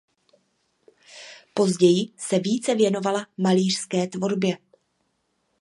Později se více věnovala malířské tvorbě.